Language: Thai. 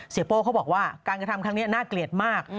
โป้เขาบอกว่าการกระทำครั้งนี้น่าเกลียดมาก